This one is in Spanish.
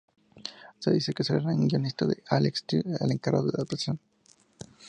Se dice que será el guionista Alex Tse el encargado de la adaptación.